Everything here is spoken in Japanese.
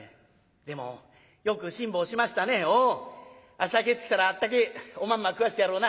明日帰ってきたらあったけえおまんま食わしてやろうな」。